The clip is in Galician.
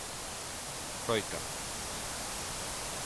Froita.